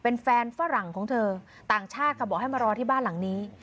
เป็นแฟนฝรั่งของเธอต่างชาติค่ะบอกให้มารอที่บ้านหลังนี้